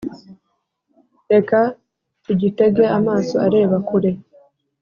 Reka tugitege amaso areba kure